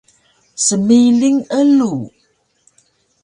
Smiling elug